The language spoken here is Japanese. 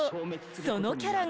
そのキャラが。